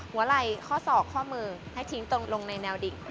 หัวไหล่ข้อศอกข้อมือให้ทิ้งตรงลงในแนวดิ่ง